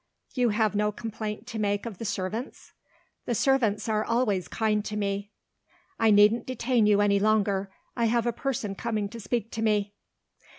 "You have no complaint to make of the servants?" "The servants are always kind to me." "I needn't detain you any longer I have a person coming to speak to me."